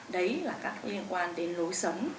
đấy là các cái liên quan đến lối sống